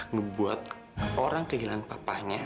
ngebuat orang kehilangan papanya